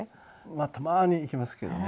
まあたまに行きますけどね。